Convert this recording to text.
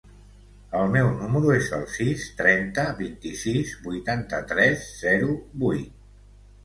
El meu número es el sis, trenta, vint-i-sis, vuitanta-tres, zero, vuit.